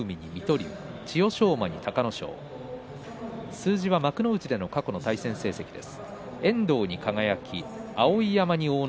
数字は幕内での過去の対戦成績です。